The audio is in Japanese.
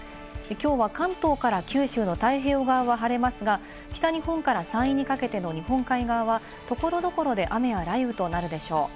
きょうは関東から九州の太平洋側は晴れますが、北日本から山陰にかけての日本海側は所々で雨や雷雨となるでしょう。